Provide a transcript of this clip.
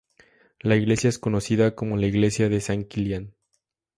La iglesia es conocida como la iglesia de San Kilian.